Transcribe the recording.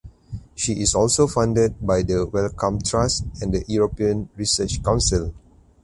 She is also funded by the Wellcome Trust and the European Research Council.